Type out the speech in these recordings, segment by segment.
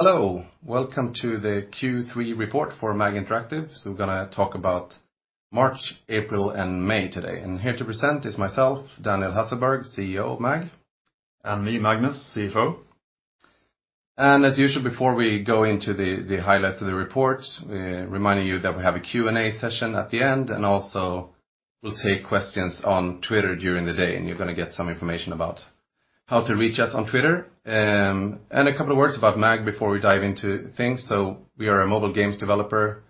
Hello. Welcome to the Q3 report for MAG Interactive. We're going to talk about March, April, and May today. Here to present is myself, Daniel Hasselberg, CEO of MAG. Me, Magnus, CFO. As usual, before we go into the highlights of the report, reminding you that we have a Q&A session at the end, and also we'll take questions on Twitter during the day, and you're going to get some information about how to reach us on Twitter. A couple of words about MAG before we dive into things. We are a mobile games developer,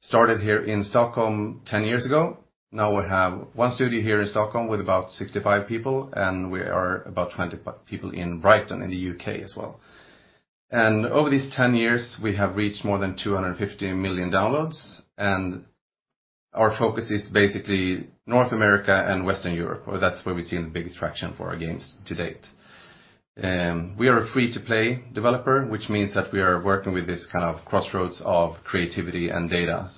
started here in Stockholm 10 years ago. Now we have one studio here in Stockholm with about 65 people, and we are about 20 people in Brighton in the U.K. as well. Over these 10 years, we have reached more than 250 million downloads, and our focus is basically North America and Western Europe, or that's where we've seen the biggest traction for our games to date. We are a free-to-play developer, which means that we are working with this kind of crossroads of creativity and data.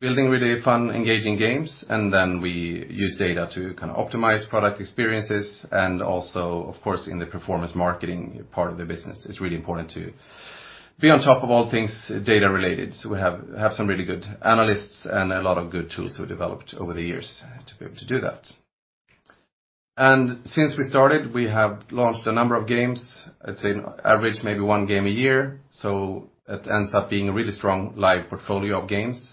Building really fun, engaging games, and then we use data to optimize product experiences, and also, of course, in the performance marketing part of the business, it's really important to be on top of all things data-related. We have some really good analysts and a lot of good tools we developed over the years to be able to do that. Since we started, we have launched a number of games. I'd say on average, maybe one game a year. It ends up being a really strong live portfolio of games.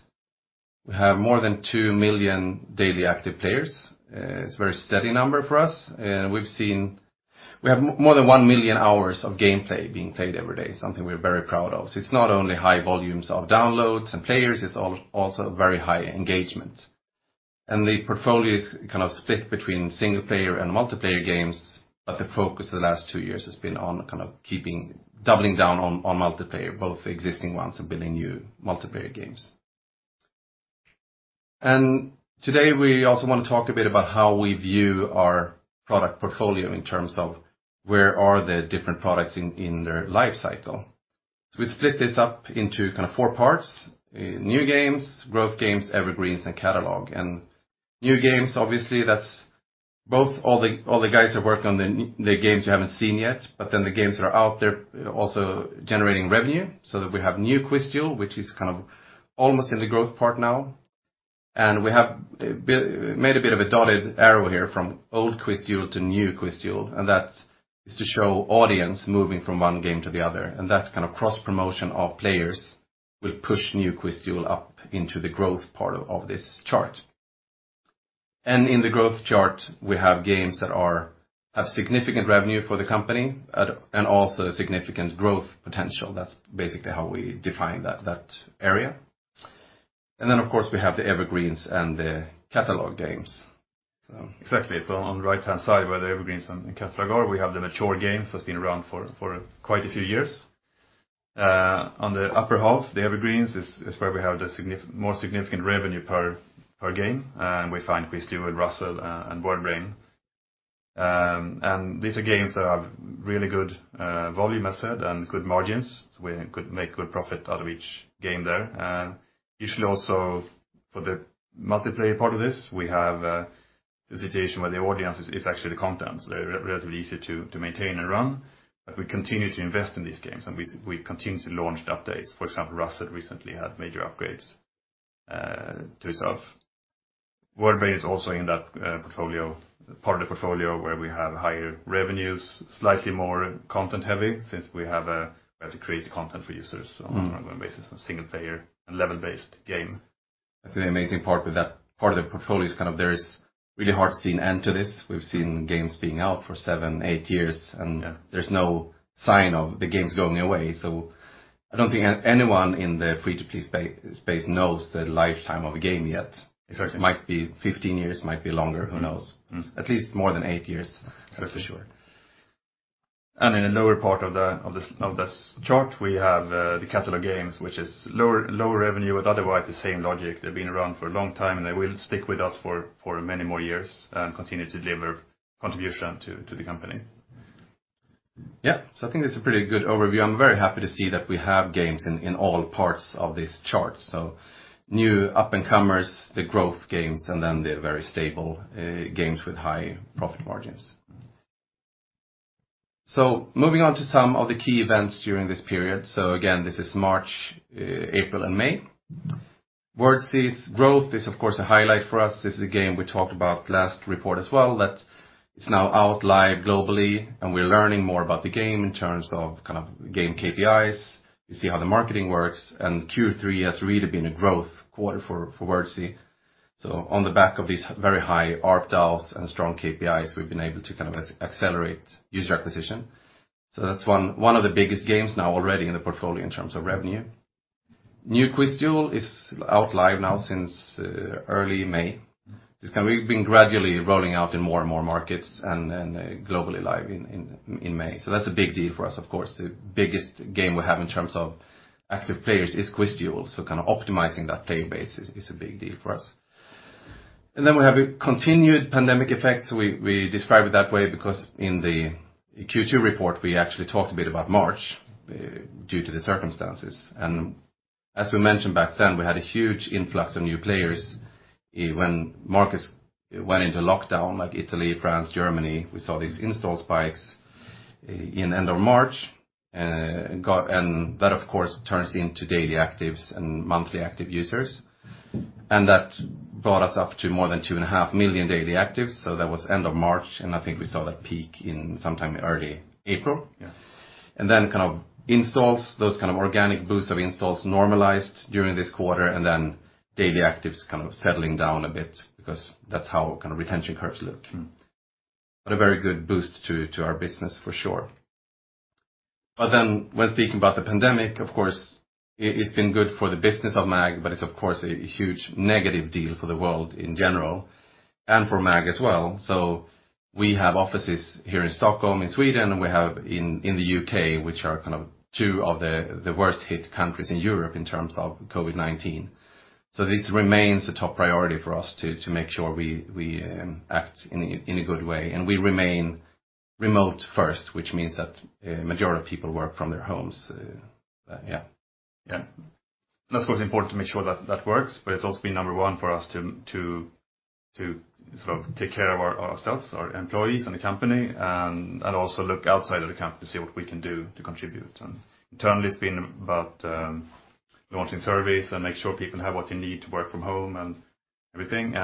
We have more than 2 million daily active players. It's a very steady number for us. We have more than 1 million hours of gameplay being played every day, something we're very proud of. It's not only high volumes of downloads and players, it's also very high engagement. The portfolio is kind of split between single-player and multiplayer games, but the focus for the last two years has been on doubling down on multiplayer, both existing ones and building new multiplayer games. Today we also want to talk a bit about how we view our product portfolio in terms of where are the different products in their life cycle. We split this up into kind of four parts: new games, growth games, evergreens, and catalog. New games, obviously, that's both all the guys that worked on the games you haven't seen yet, but then the games that are out there also generating revenue, so that we have New QuizDuel, which is almost in the growth part now. We have made a bit of a dotted arrow here from old QuizDuel to New QuizDuel, and that is to show audience moving from one game to the other. That kind of cross-promotion of players will push New QuizDuel up into the growth part of this chart. In the growth chart, we have games that have significant revenue for the company and also significant growth potential. That's basically how we define that area. Then, of course, we have the evergreens and the catalog games. Exactly. On the right-hand side, where the evergreens and catalog are, we have the mature games that's been around for quite a few years. On the upper half, the evergreens is where we have the more significant revenue per game, and we find QuizDuel, Ruzzle, and WordBrain. These are games that have really good volume asset and good margins. We could make good profit out of each game there. Usually also for the multiplayer part of this, we have a situation where the audience is actually the content. They're relatively easy to maintain and run, but we continue to invest in these games, and we continue to launch updates. For example, Ruzzle recently had major upgrades to itself. WordBrain is also in that part of the portfolio where we have higher revenues, slightly more content-heavy since we have to create content for users on an ongoing basis, a single-player and level-based game. I think the amazing part with that part of the portfolio is there is really hard to see an end to this. We've seen games being out for seven, eight years, and there's no sign of the games going away. I don't think anyone in the free-to-play space knows the lifetime of a game yet. Exactly. It might be 15 years, might be longer. Who knows? At least more than eight years. Exactly for sure. In the lower part of this chart, we have the catalog games, which is lower revenue, but otherwise the same logic. They've been around for a long time, and they will stick with us for many more years and continue to deliver contribution to the company. Yeah. I think that's a pretty good overview. I'm very happy to see that we have games in all parts of this chart. New up-and-comers, the growth games, and then the very stable games with high profit margins. Moving on to some of the key events during this period. Again, this is March, April, and May. Wordzee's growth is, of course, a highlight for us. This is a game we talked about last report as well that is now out live globally, and we're learning more about the game in terms of game KPIs. You see how the marketing works, and Q3 has really been a growth quarter for Wordscapes. On the back of these very high ARPDAUs and strong KPIs, we've been able to accelerate user acquisition. That's one of the biggest games now already in the portfolio in terms of revenue. New QuizDuel is out live now since early May. We've been gradually rolling out in more and more markets and then globally live in May. That's a big deal for us, of course. The biggest game we have in terms of active players is QuizDuel, optimizing that player base is a big deal for us. Then we have a continued pandemic effect. We describe it that way because in the Q2 report, we actually talked a bit about March due to the circumstances. As we mentioned back then, we had a huge influx of new players when markets went into lockdown, like Italy, France, Germany. We saw these install spikes in end of March. That, of course, turns into daily actives and monthly active users. That brought us up to more than 2.5 million daily actives. That was end of March, and I think we saw that peak in sometime early April. Yeah. Installs, those organic boosts of installs normalized during this quarter, and then daily actives settling down a bit because that's how retention curves look. A very good boost to our business for sure. When speaking about the pandemic, of course, it has been good for the business of MAG, but it's of course a huge negative deal for the world in general and for MAG as well. We have offices here in Stockholm, in Sweden, and we have in the U.K., which are two of the worst hit countries in Europe in terms of COVID-19. This remains a top priority for us to make sure we act in a good way, and we remain remote first, which means that majority of people work from their homes. Yeah. That's what's important to make sure that that works, but it's also been number 1 for us to take care of ourselves, our employees, and the company, and also look outside of the company to see what we can do to contribute. Internally, it's been about launching surveys and make sure people have what they need to work from home and everything.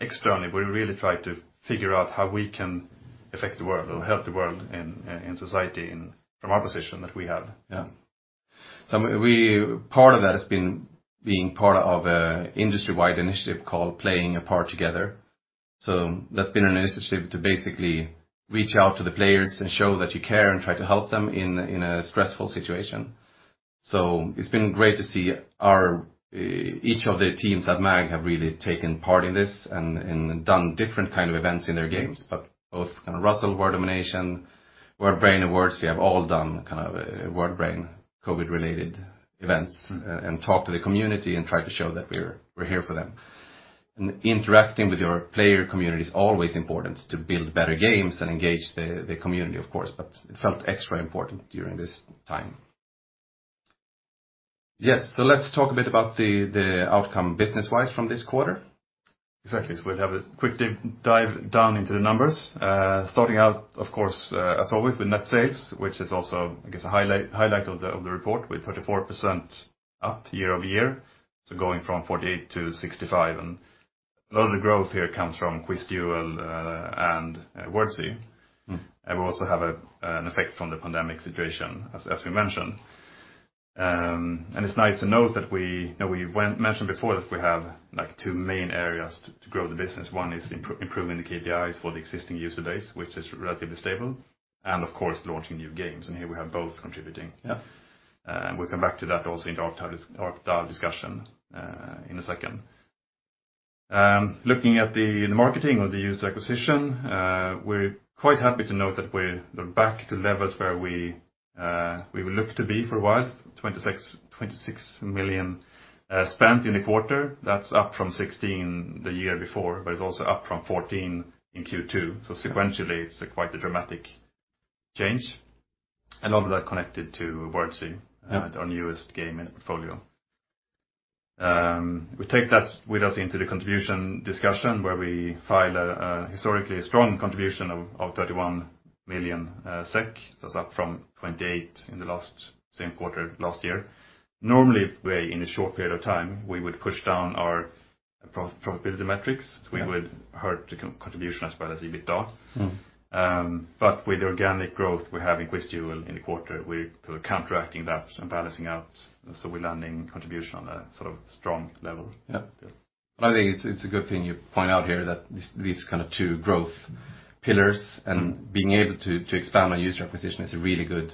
Externally, we really try to figure out how we can affect the world or help the world in society from our position that we have. Yeah. Part of that has been being part of a industry-wide initiative called #PlayApartTogether. That's been an initiative to basically reach out to the players and show that you care and try to help them in a stressful situation. It's been great to see each of the teams at MAG have really taken part in this and done different kind of events in their games. Both Ruzzle, Word Domination, WordBrain, and Wordzee have all done WordBrain COVID-19-related events and talk to the community and try to show that we're here for them. Interacting with your player community is always important to build better games and engage the community, of course, but it felt extra important during this time. Yes, let's talk a bit about the outcome business-wise from this quarter. Exactly. We'll have a quick dive down into the numbers. Starting out, of course, as always, with net sales, which is also, I guess, a highlight of the report with 34% up year-over-year. Going from 48 to 65. A lot of the growth here comes from QuizDuel and Wordzee. We also have an effect from the pandemic situation as we mentioned. It's nice to note that we mentioned before that we have two main areas to grow the business. One is improving the KPIs for the existing user base, which is relatively stable, and of course, launching new games. Here we have both contributing. Yeah. We'll come back to that also in the ARPDAU discussion in a second. Looking at the marketing or the user acquisition, we're quite happy to note that we're back to levels where we would look to be for a while, 26 million spent in the quarter. That's up from 16 the year before, but it's also up from 14 in Q2. Sequentially, it's quite a dramatic change. A lot of that connected to Wordzee. Yeah our newest game in the portfolio. We take that with us into the contribution discussion where we file a historically strong contribution of 31 million SEK. That's up from 28 million in the last same quarter last year. Normally, in a short period of time, we would push down our profitability metrics. Yeah. We would hurt the contribution as well as EBITDA. With the organic growth we have in QuizDuel in the quarter, we're counteracting that and balancing out. We're landing contribution on a strong level. I think it's a good thing you point out here that these two growth pillars and being able to expand on user acquisition is a really good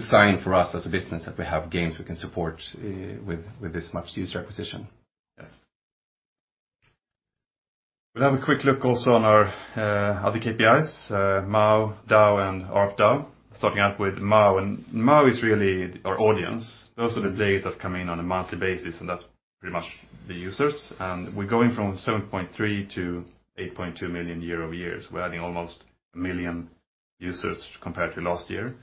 sign for us as a business that we have games we can support with this much user acquisition. Yeah. We'll have a quick look also on our other KPIs, MAU, DAU, and ARPDAU. Starting out with MAU is really our audience. Those are the players that come in on a monthly basis, that's pretty much the users. We're going from 7.3 to 8.2 million year-over-year. We're adding almost 1 million users compared to last year.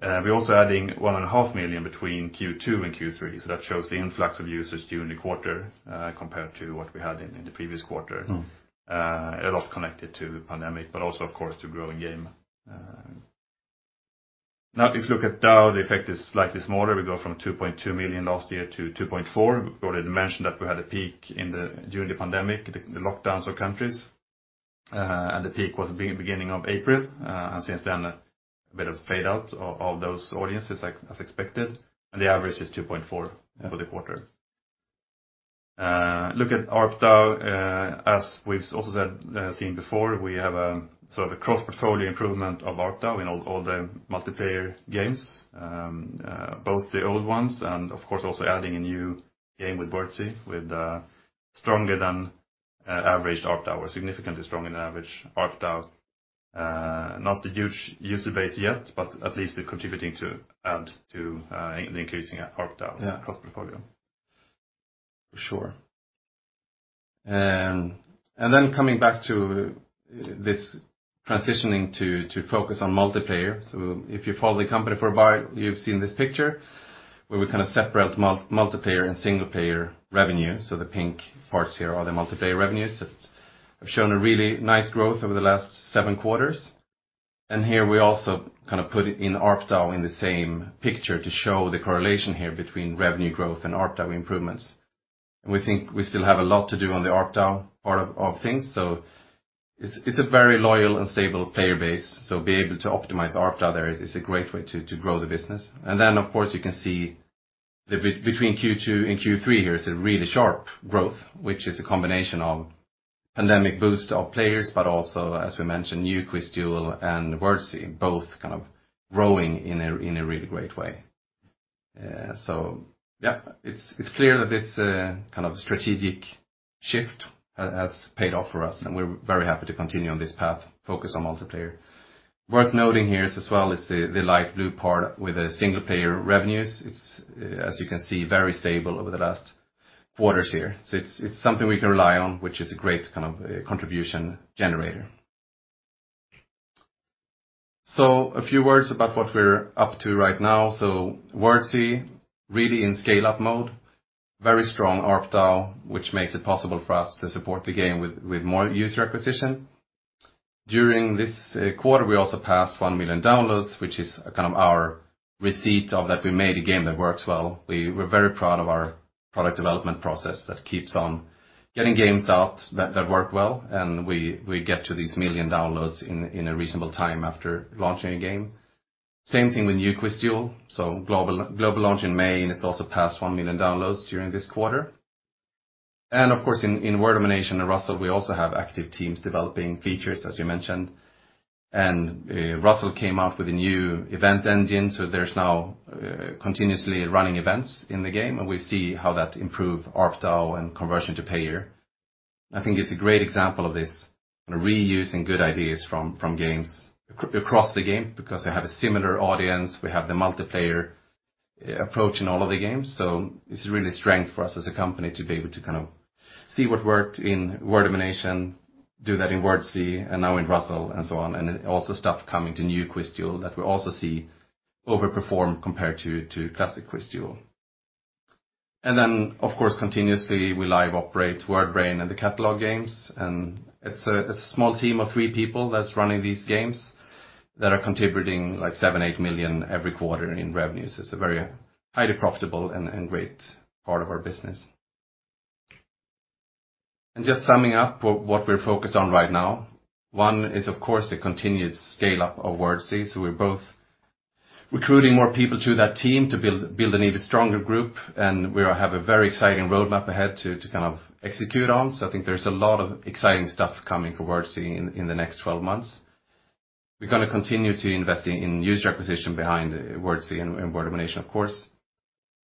We're also adding 1.5 million between Q2 and Q3, that shows the influx of users during the quarter compared to what we had in the previous quarter. A lot connected to the pandemic, also, of course, to growing game. If you look at DAU, the effect is slightly smaller. We go from 2.2 million last year to 2.4 million. We already mentioned that we had a peak during the pandemic, the lockdowns of countries. The peak was beginning of April. Since then, a bit of fade out of those audiences as expected. The average is 2.4 million for the quarter. Look at ARPDAU. As we've also seen before, we have a sort of a cross-portfolio improvement of ARPDAU in all the multiplayer games, both the old ones and of course, also adding a new game with Wordzee with stronger than average ARPDAU, or significantly stronger than average ARPDAU. Not the huge user base yet, at least we're contributing to add to the increasing ARPDAU. Yeah cross-portfolio. For sure. Coming back to this transitioning to focus on multiplayer. If you follow the company for a while, you've seen this picture where we separate multiplayer and single-player revenue. The pink parts here are the multiplayer revenues that have shown a really nice growth over the last seven quarters. Here we also put in ARPDAU in the same picture to show the correlation here between revenue growth and ARPDAU improvements. We think we still have a lot to do on the ARPDAU part of things. It's a very loyal and stable player base, being able to optimize ARPDAU there is a great way to grow the business. Of course, you can see between Q2 and Q3 here is a really sharp growth, which is a combination of pandemic boost of players, but also, as we mentioned, New QuizDuel and Wordzee both growing in a really great way. It's clear that this strategic shift has paid off for us, and we're very happy to continue on this path, focus on multiplayer. Worth noting here as well is the light blue part with the single-player revenues. It's, as you can see, very stable over the last quarters here. It's something we can rely on, which is a great contribution generator. A few words about what we're up to right now. Wordzee, really in scale-up mode, very strong ARPDAU, which makes it possible for us to support the game with more user acquisition. During this quarter, we also passed 1 million downloads, which is our receipt of that we made a game that works well. We're very proud of our product development process that keeps on getting games out that work well, and we get to these million downloads in a reasonable time after launching a game. Same thing with New QuizDuel. Global launch in May, and it's also past 1 million downloads during this quarter. Of course, in Word Domination and Ruzzle, we also have active teams developing features, as you mentioned. Ruzzle came out with a new event engine, so there's now continuously running events in the game, and we see how that improve ARPDAU and conversion to payer. I think it's a great example of this reusing good ideas from games across the game because they have a similar audience. We have the multiplayer approach in all of the games. It's really strength for us as a company to be able to see what worked in Word Domination, do that in Wordzee, and now in Ruzzle and so on. Also stuff coming to New QuizDuel that we also see over-perform compared to QuizDuel. Then, of course, continuously, we live operate WordBrain and the catalog games, and it's a small team of three people that's running these games that are contributing 7 million-8 million every quarter in revenues. It's a very highly profitable and great part of our business. Just summing up what we're focused on right now. One is, of course, the continuous scale-up of Wordzee. We're both recruiting more people to that team to build an even stronger group, and we have a very exciting roadmap ahead to execute on. I think there's a lot of exciting stuff coming for Wordzee in the next 12 months. We're going to continue to invest in user acquisition behind Wordzee and Word Domination, of course,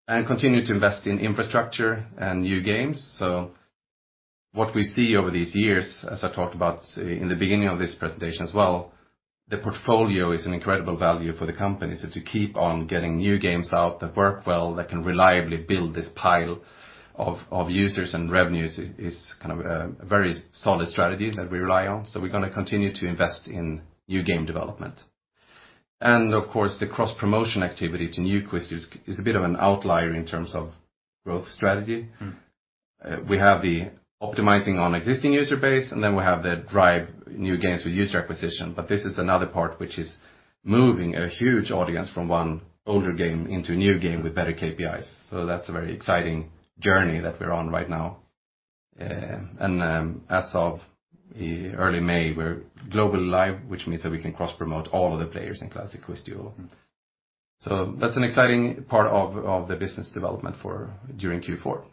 and continue to invest in infrastructure and new games. What we see over these years, as I talked about in the beginning of this presentation as well, the portfolio is an incredible value for the company. To keep on getting new games out that work well, that can reliably build this pile of users and revenues is a very solid strategy that we rely on. We're going to continue to invest in new game development. Of course, the cross-promotion activity to new Quiz is a bit of an outlier in terms of growth strategy. We have the optimizing on existing user base, and then we have the drive new games with user acquisition. This is another part which is moving a huge audience from one older game into a new game with better KPIs. That's a very exciting journey that we're on right now. As of early May, we're globally live, which means that we can cross-promote all of the players in classic QuizDuel. That's an exciting part of the business development during Q4.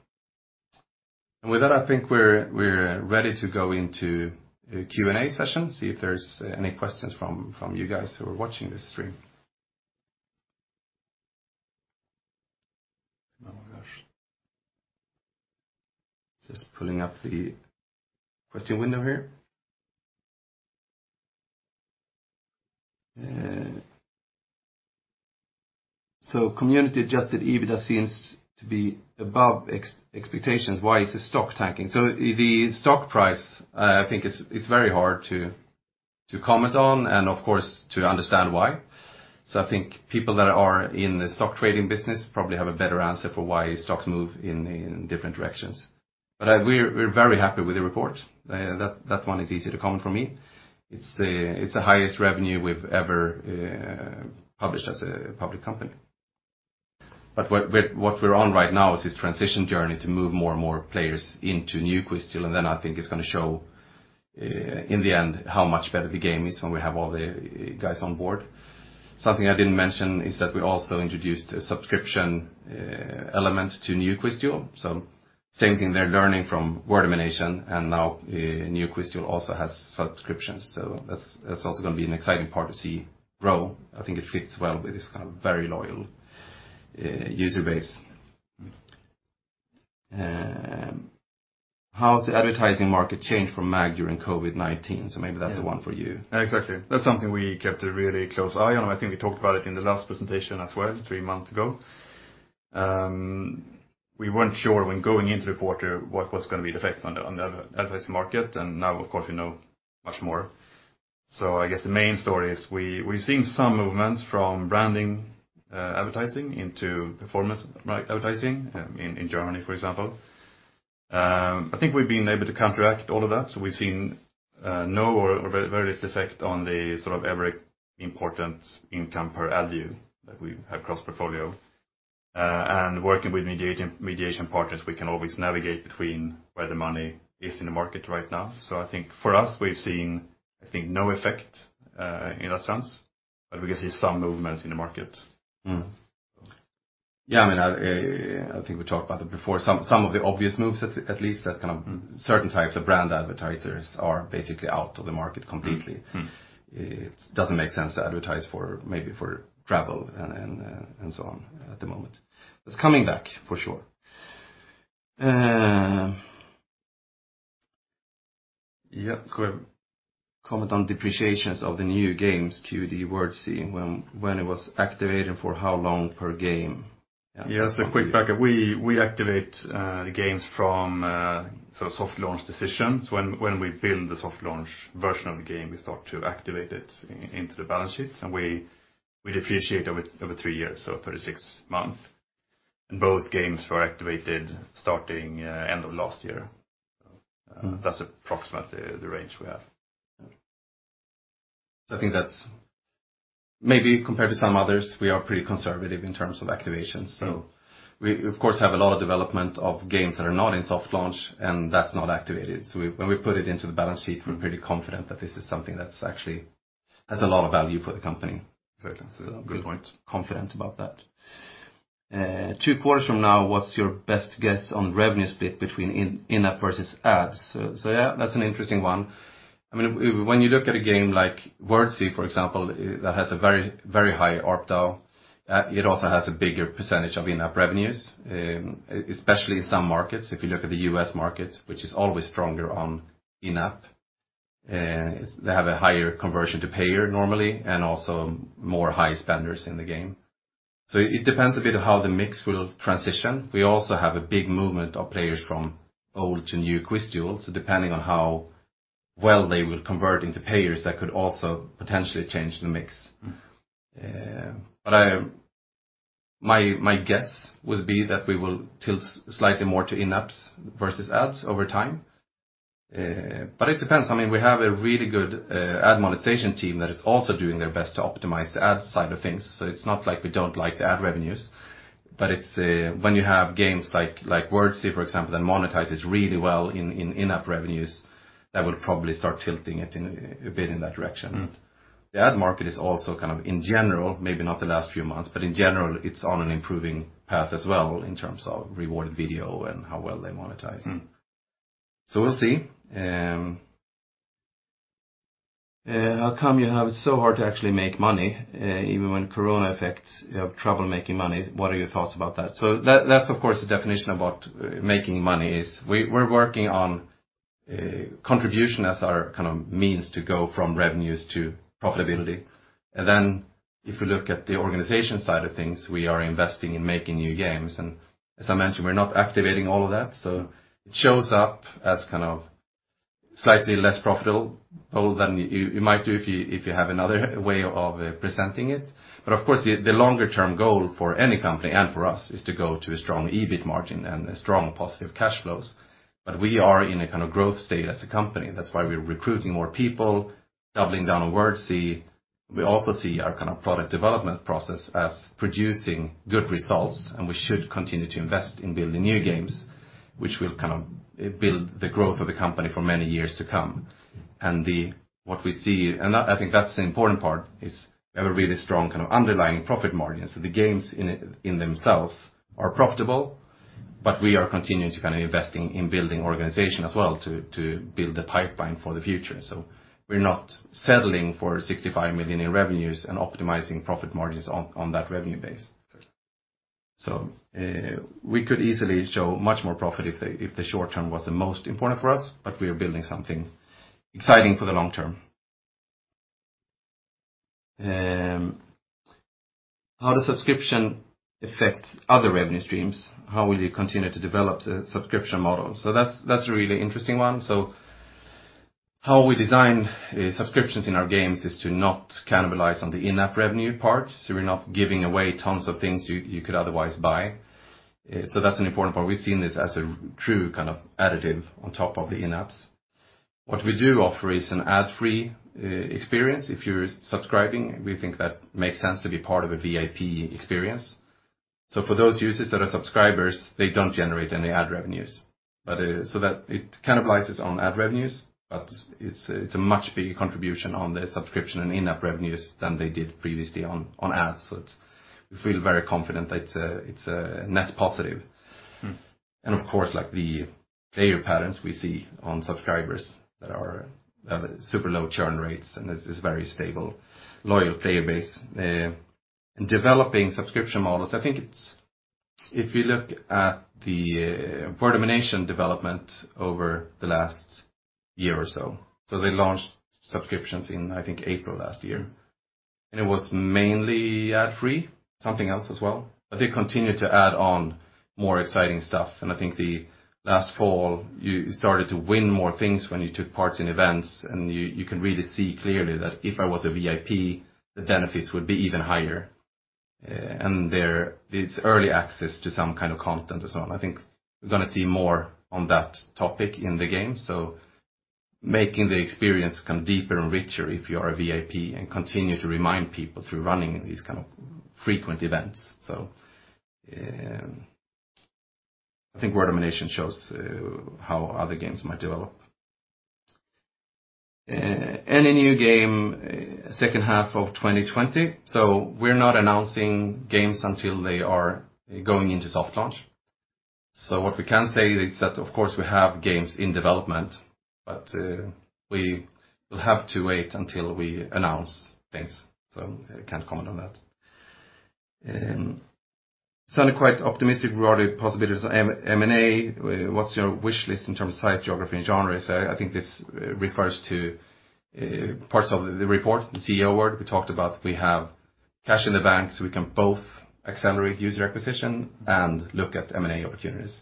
With that, I think we're ready to go into the Q&A session, see if there's any questions from you guys who are watching this stream. Oh, my gosh. Just pulling up the question window here. Community-adjusted EBITDA seems to be above expectations. Why is the stock tanking? The stock price, I think it's very hard to comment on and, of course, to understand why. We're very happy with the report. That one is easy to comment from me. It's the highest revenue we've ever published as a public company. What we're on right now is this transition journey to move more and more players into New QuizDuel, I think it's going to show, in the end, how much better the game is when we have all the guys on board. Something I didn't mention is that we also introduced a subscription element to New QuizDuel. Same thing there, learning from Word Domination, and now New QuizDuel also has subscriptions. That's also going to be an exciting part to see grow. I think it fits well with this kind of very loyal user base. How has the advertising market changed for MAG during COVID-19? Maybe that's the one for you. Exactly. That's something we kept a really close eye on, and I think we talked about it in the last presentation as well, three months ago. We weren't sure when going into the quarter what was going to be the effect on the advertising market, and now, of course, we know much more. I guess the main story is we've seen some movements from branding advertising into performance marketing advertising in Germany, for example. I think we've been able to counteract all of that. We've seen no or very little effect on the sort of every important income per DAU that we have across portfolio. Working with mediation partners, we can always navigate between where the money is in the market right now. I think for us, we've seen no effect in that sense, but we can see some movements in the market. Yeah, I think we talked about that before. Some of the obvious moves at least that kind of certain types of brand advertisers are basically out of the market completely. It doesn't make sense to advertise maybe for travel and so on at the moment. It's coming back for sure. Comment on depreciations of the new games QD, Wordzee, when it was activated, for how long per game? Yes, a quick backup. We activate the games from sort of soft launch decisions. When we build the soft launch version of the game, we start to activate it into the balance sheets, and we depreciate over three years, so 36 months. Both games were activated starting end of last year. That's approximately the range we have. I think that is maybe compared to some others, we are pretty conservative in terms of activations. We, of course, have a lot of development of games that are not in soft launch, and that is not activated. When we put it into the balance sheet, we are pretty confident that this is something that actually has a lot of value for the company. Certainly. Good point. Confident about that. Two quarters from now, what's your best guess on revenue split between in-app versus ads? Yeah, that's an interesting one. When you look at a game like Wordzee, for example, that has a very high ARPDAU, it also has a bigger % of in-app revenues, especially in some markets. If you look at the U.S. market, which is always stronger on in-app, they have a higher conversion to payer normally, and also more high spenders in the game. It depends a bit on how the mix will transition. We also have a big movement of players from old to new QuizDuels, depending on how well they will convert into payers, that could also potentially change the mix. My guess would be that we will tilt slightly more to in-apps versus ads over time. It depends. We have a really good ad monetization team that is also doing their best to optimize the ad side of things. It's not like we don't like the ad revenues, but it's when you have games like Wordzee, for example, that monetizes really well in in-app revenues, that will probably start tilting it a bit in that direction. The ad market is also kind of in general, maybe not the last few months, but in general, it's on an improving path as well in terms of rewarded video and how well they monetize. We'll see. How come you have it so hard to actually make money? Even when corona effects, you have trouble making money. What are your thoughts about that? That's of course, the definition about making money is we're working on contribution as our kind of means to go from revenues to profitability. If we look at the organization side of things, we are investing in making new games. As I mentioned, we're not activating all of that. It shows up as kind of slightly less profitable than you might do if you have another way of presenting it. Of course, the longer-term goal for any company and for us is to go to a strong EBIT margin and strong positive cash flows. We are in a kind of growth state as a company. That's why we're recruiting more people, doubling down on Wordzee. We also see our kind of product development process as producing good results, we should continue to invest in building new games, which will kind of build the growth of the company for many years to come. I think that's the important part is we have a really strong kind of underlying profit margin. The games in themselves are profitable, we are continuing to kind of investing in building organization as well to build the pipeline for the future. We're not settling for 65 million in revenues and optimizing profit margins on that revenue base. Certainly. We could easily show much more profit if the short-term was the most important for us, but we are building something exciting for the long term. How does subscription affect other revenue streams? How will you continue to develop the subscription model? That's a really interesting one. How we design subscriptions in our games is to not cannibalize on the in-app revenue part. We're not giving away tons of things you could otherwise buy. That's an important part. We've seen this as a true kind of additive on top of the in-apps. What we do offer is an ad-free experience. If you're subscribing, we think that makes sense to be part of a VIP experience. For those users that are subscribers, they don't generate any ad revenues. That it cannibalizes on ad revenues, but it's a much bigger contribution on the subscription and in-app revenues than they did previously on ads. We feel very confident that it's a net positive. Of course, like the player patterns we see on subscribers that have super low churn rates and a very stable, loyal player base. Developing subscription models. I think if you look at the Word Domination development over the last year or so. They launched subscriptions in, I think, April last year, and it was mainly ad-free, something else as well. They continued to add on more exciting stuff. I think the last fall, you started to win more things when you took part in events, and you can really see clearly that if I was a VIP, the benefits would be even higher. It's early access to some kind of content as well. I think we're going to see more on that topic in the game. Making the experience become deeper and richer if you are a VIP and continue to remind people through running these kind of frequent events. I think Word Domination shows how other games might develop. Any new game second half of 2020? We're not announcing games until they are going into soft launch. What we can say is that, of course, we have games in development, but we will have to wait until we announce things, so I can't comment on that. Sounded quite optimistic regarding possibilities of M&A. What's your wish list in terms of size, geography, and genres? I think this refers to parts of the report, the CEO award we talked about. We have cash in the bank, so we can both accelerate user acquisition and look at M&A opportunities.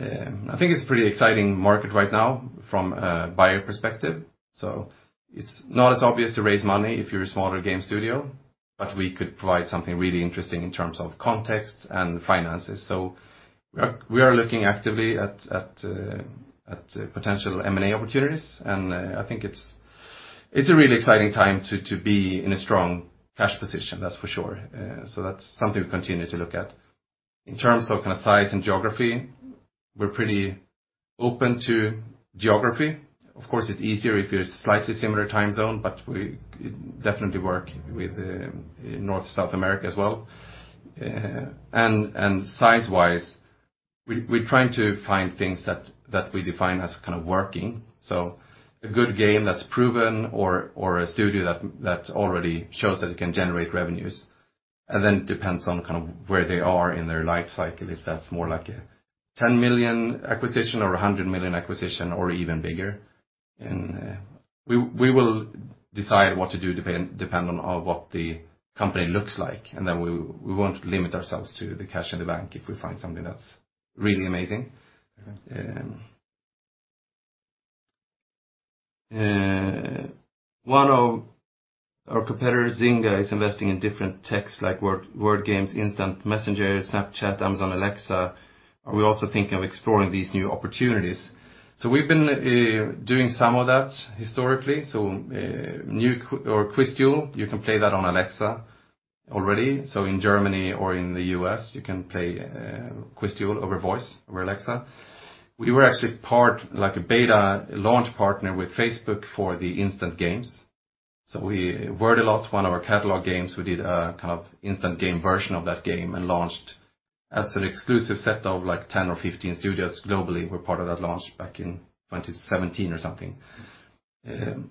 I think it's a pretty exciting market right now from a buyer perspective. It's not as obvious to raise money if you're a smaller game studio, but we could provide something really interesting in terms of context and finances. We are looking actively at potential M&A opportunities. I think it's a really exciting time to be in a strong cash position, that's for sure. That's something we continue to look at. In terms of size and geography, we're pretty open to geography. Of course, it's easier if you're slightly similar time zone. We definitely work with North South America as well. Size-wise, we're trying to find things that we define as working. A good game that's proven or a studio that already shows that it can generate revenues. It depends on where they are in their life cycle, if that's more like a 10 million acquisition or 100 million acquisition or even bigger. We will decide what to do depending on what the company looks like, and then we won't limit ourselves to the cash in the bank if we find something that's really amazing. One of our competitors, Zynga, is investing in different techs like word games, instant messenger, Snapchat, Amazon, Alexa. Are we also thinking of exploring these new opportunities? We've been doing some of that historically. QuizDuel, you can play that on Alexa already. In Germany or in the U.S., you can play QuizDuel over voice, over Alexa. We were actually part, like a beta launch partner with Facebook for the Instant Games. Wordalot, one of our catalog games, we did a kind of Instant Game version of that game and launched as an exclusive set of 10 or 15 studios globally, were part of that launch back in 2017 or something.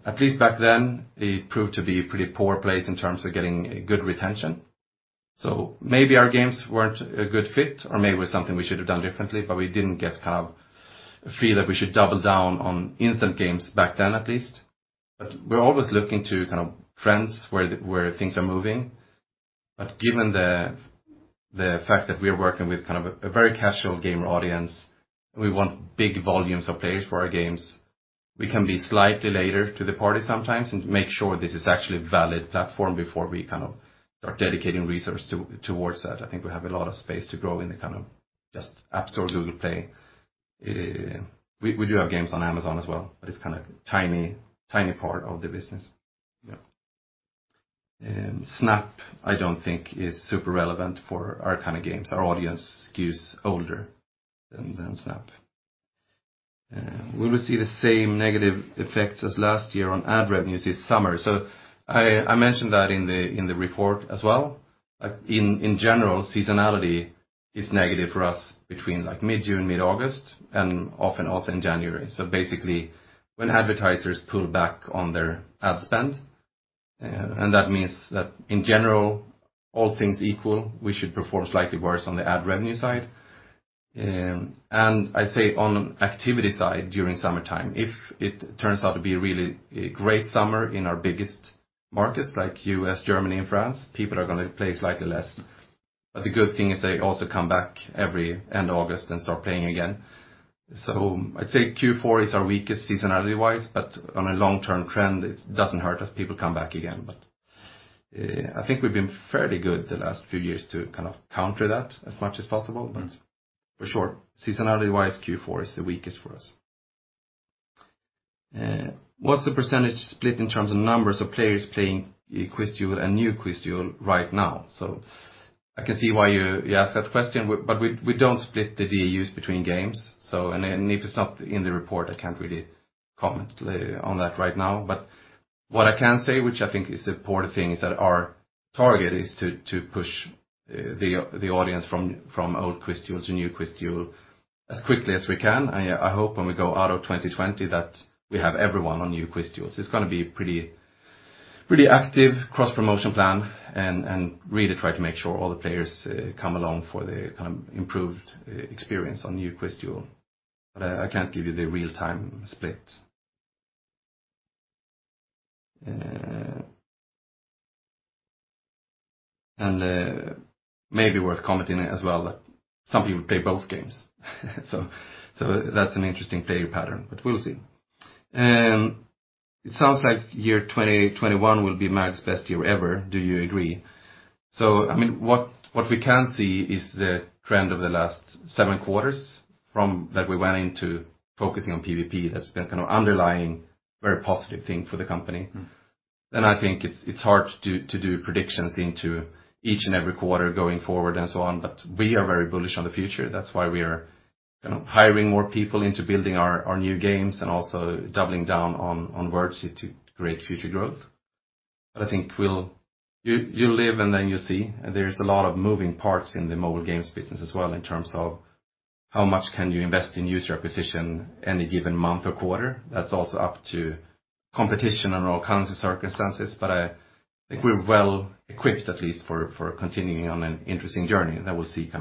At least back then, it proved to be a pretty poor place in terms of getting good retention. Maybe our games weren't a good fit, or maybe it was something we should have done differently, but we didn't get a feel that we should double down on instant games back then, at least. We're always looking to trends where things are moving. Given the fact that we are working with a very casual gamer audience, we want big volumes of players for our games. We can be slightly later to the party sometimes and make sure this is actually a valid platform before we start dedicating resource towards that. I think we have a lot of space to grow in the kind of just App Store, Google Play. We do have games on Amazon as well, but it's a tiny part of the business. Snap, I don't think is super relevant for our kind of games. Our audience skews older than Snap. Will we see the same negative effects as last year on ad revenues this summer? I mentioned that in the report as well. In general, seasonality is negative for us between mid-June, mid-August, and often also in January. Basically when advertisers pull back on their ad spend, and that means that in general, all things equal, we should perform slightly worse on the ad revenue side. I say on activity side during summertime, if it turns out to be a really great summer in our biggest markets like U.S., Germany, and France, people are going to play slightly less. The good thing is they also come back every end of August and start playing again. I'd say Q4 is our weakest seasonality-wise, but on a long-term trend, it doesn't hurt as people come back again. I think we've been fairly good the last few years to counter that as much as possible. For sure, seasonality-wise, Q4 is the weakest for us. What's the % split in terms of numbers of players playing QuizDuel and New QuizDuel right now? I can see why you ask that question, but we don't split the DAUs between games. If it's not in the report, I can't really comment on that right now. What I can say, which I think is the important thing, is that our target is to push the audience from old QuizDuel to New QuizDuel as quickly as we can. I hope when we go out of 2020 that we have everyone on New QuizDuels. It's going to be pretty active cross-promotion plan and really try to make sure all the players come along for the improved experience on New QuizDuel. I can't give you the real-time split. Maybe worth commenting as well that some people play both games. That's an interesting player pattern, but we'll see. It sounds like year 2021 will be MAG's best year ever. Do you agree? What we can see is the trend of the last seven quarters from that we went into focusing on PVP that's been kind of underlying very positive thing for the company. I think it's hard to do predictions into each and every quarter going forward and so on. We are very bullish on the future. That's why we are hiring more people into building our new games and also doubling down on Wordzee to create future growth. I think you live and then you see. There's a lot of moving parts in the mobile games business as well in terms of how much can you invest in user acquisition any given month or quarter. That's also up to competition and all kinds of circumstances. I think we're well equipped at least for continuing on an interesting journey. We'll see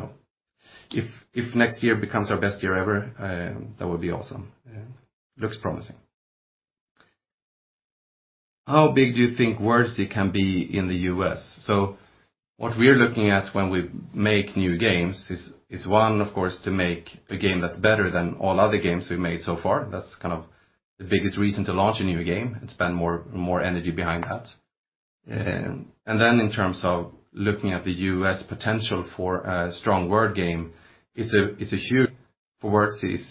if next year becomes our best year ever, that would be awesome. Looks promising. How big do you think Wordzee can be in the U.S.? What we are looking at when we make new games is, one, of course, to make a game that's better than all other games we've made so far. That's kind of the biggest reason to launch a new game and spend more energy behind that. In terms of looking at the U.S. potential for a strong word game, Wordzee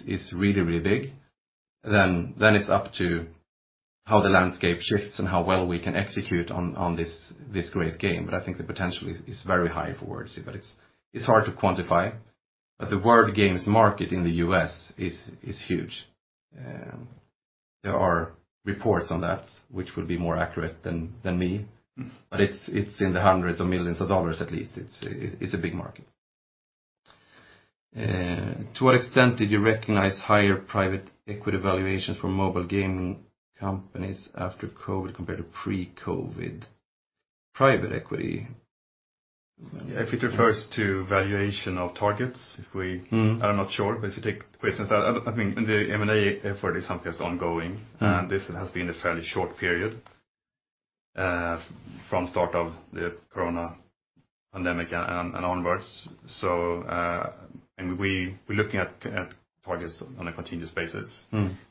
is really big. It's up to how the landscape shifts and how well we can execute on this great game. I think the potential is very high for Wordzee, but it's hard to quantify. The word games market in the U.S. is huge. There are reports on that which will be more accurate than me. It's in the $hundreds of millions at least. It's a big market. To what extent did you recognize higher private equity valuations for mobile gaming companies after COVID compared to pre-COVID? Private equity. If it refers to valuation of targets. I'm not sure. If you take places, the M&A effort is something that's ongoing. This has been a fairly short period from start of the COVID-19 pandemic and onwards. We're looking at targets on a continuous basis.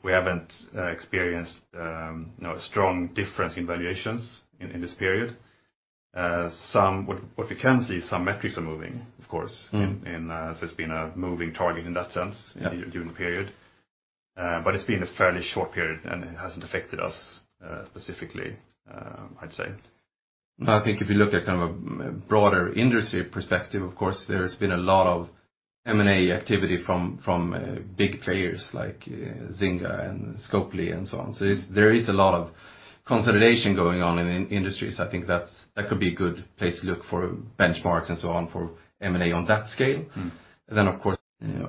We haven't experienced a strong difference in valuations in this period. What we can see, some metrics are moving, of course. It's been a moving target in that sense. Yeah during the period. It's been a fairly short period, and it hasn't affected us specifically, I'd say. I think if you look at kind of a broader industry perspective, of course, there's been a lot of M&A activity from big players like Zynga and Scopely and so on. There is a lot of consolidation going on in the industry. I think that could be a good place to look for benchmarks and so on for M&A on that scale.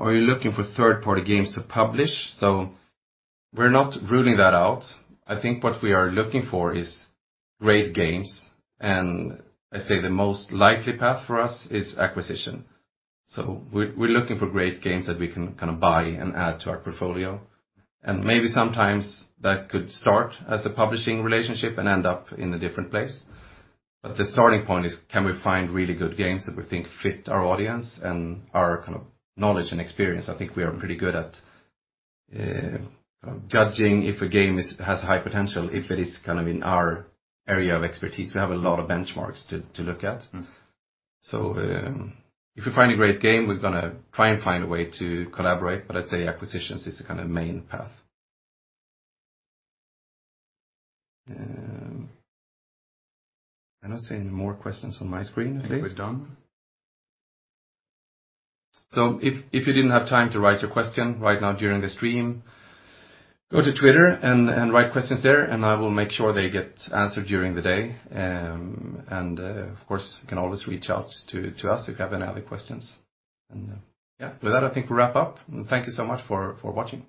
Are you looking for third-party games to publish? We're not ruling that out. I think what we are looking for is great games, and I say the most likely path for us is acquisition. We're looking for great games that we can buy and add to our portfolio. Maybe sometimes that could start as a publishing relationship and end up in a different place. The starting point is, can we find really good games that we think fit our audience and our knowledge and experience? I think we are pretty good at judging if a game has high potential, if it is in our area of expertise. We have a lot of benchmarks to look at. If we find a great game, we're going to try and find a way to collaborate. I'd say acquisitions is the kind of main path. I'm not seeing more questions on my screen, I think. I think we're done. If you didn't have time to write your question right now during the stream, go to Twitter and write questions there, and I will make sure they get answered during the day. Of course, you can always reach out to us if you have any other questions. Yeah. With that, I think we'll wrap up. Thank you so much for watching.